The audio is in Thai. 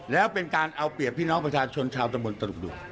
แล้วเป็นการเอาเปรียบพี่น้องประชาชนชาวตะบนตลุกดู